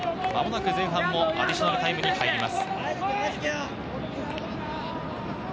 間もなく前半もアディショナルタイムに入ります。